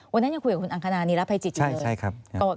วันนั้นยังคุยกับคุณอังคารานีรับไพรจิตอีกเลย